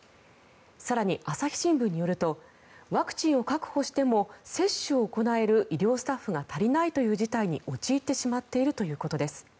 更に、朝日新聞によるとワクチンを確保しても接種を行える医療スタッフが足りないという事態に陥ってしまっているということです。